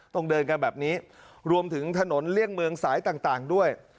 ต้องเดินกันแบบนี้รวมถึงถนนเลี่ยงเมืองสายต่างด้วย